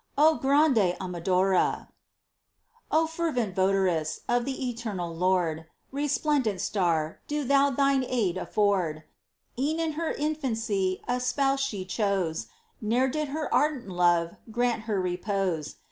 ¡ O grande amadora ! O FERVENT votaress Of the eternal Lord ! Resplendent star ! do thou Thine aid añord ! 52 MINOR WORKS OF ST. TERESA. E'en in her infancy A Spouse she chose ; Ne'er did her ardent love Grant her repose.